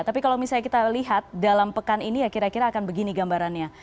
tapi kalau misalnya kita lihat dalam pekan ini ya kira kira akan begini gambarannya